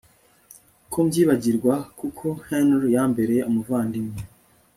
ko mbyibagirwa kuko Henry yambere umuvandimwe